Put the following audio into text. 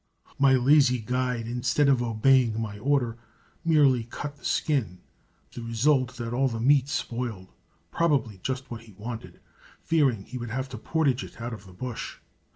My lazy guide, instead of obeying my order, merely cut the skin, with the result that all the meat spoiled probably just what he wanted, fearing he would have to portage it out of the bush.